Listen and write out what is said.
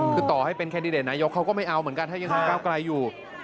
คือต่อให้เป็นแคนดิเดตนายกเขาก็ไม่เอาเหมือนกันถ้ายังมีก้าวไกลอยู่